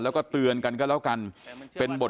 แล้วก็เตือนกันก็แล้วกัน